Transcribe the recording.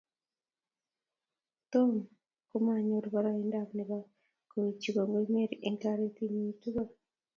Tom komanyoor boroindo nebo kowekchi kongoi Mary eng toretenyi tugul.